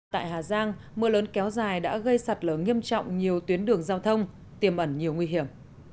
tại hà giang mưa lớn kéo dài đã gây sạt lở nghiêm trọng nhiều tuyến đường giao thông tiềm ẩn nhiều nguy hiểm